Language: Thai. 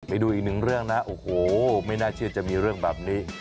ไปดูอีกหนึ่งเรื่องนะโอ้โหไม่น่าเชื่อจะมีเรื่องแบบนี้